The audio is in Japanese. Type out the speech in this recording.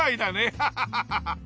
ハハハハハ！